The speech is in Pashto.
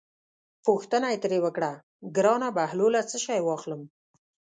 پوښتنه یې ترې وکړه: ګرانه بهلوله څه شی واخلم.